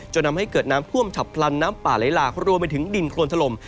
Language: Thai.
ทำให้เกิดน้ำท่วมฉับพลันน้ำป่าไหลหลากรวมไปถึงดินโครนถล่ม